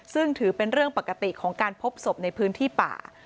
ซึ่งถือเป็นเรื่องปกติของการพบศพในพื้นที่ป่า